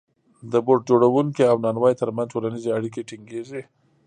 د بوټ جوړونکي او نانوای ترمنځ ټولنیزې اړیکې ټینګېږي